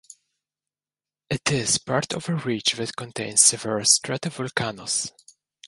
It is part of a ridge that contains several stratovolcanos.